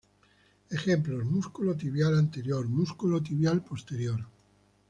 Ejemplos: músculo tibial anterior, músculo tibial posterior.